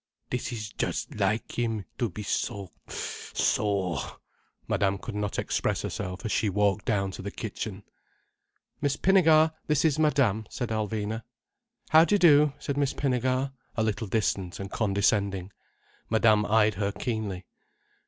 "This is just like him, to be so—so—" Madame could not express herself as she walked down to the kitchen. "Miss Pinnegar, this is Madame," said Alvina. "How do you do?" said Miss Pinnegar, a little distant and condescending. Madame eyed her keenly.